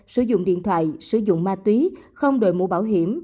sử dụng điện thoại sử dụng ma túy không đổi mũ bảo hiểm